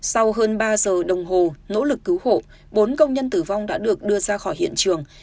sau hơn ba giờ đồng hồ nỗ lực cứu hộ bốn công nhân tử vong đã được đưa ra khỏi hiện trường